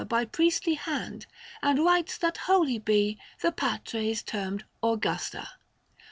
25 By priestly hand, and rites that holy be The Patres termed Augusta.